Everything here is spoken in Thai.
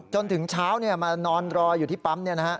จนถึงเช้ามานอนรออยู่ที่ปั๊ม